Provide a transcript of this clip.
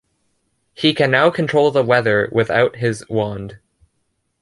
He can now control the weather without his wand.